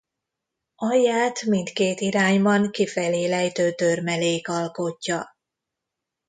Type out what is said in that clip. Alját mindkét irányban kifelé lejtő törmelék alkotja.